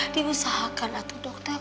diusahakan atuh dokter